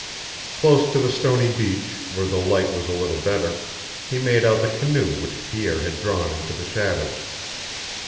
Close to the stony beach, where the light was a little better, he made out the canoe which Pierre had drawn into the shadows.